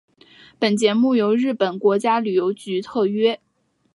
本节目由日本国家旅游局特约。